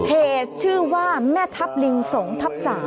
เพชรชื่อว่าแม่ทับลิงสงฆ์ทับ๓